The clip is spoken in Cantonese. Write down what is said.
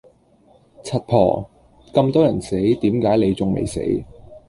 柒婆！咁多人死點解你仲未死